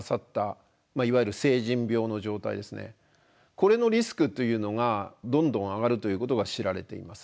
これのリスクというのがどんどん上がるということが知られています。